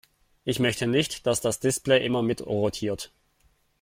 Ich möchte nicht, dass das Display immer mitrotiert.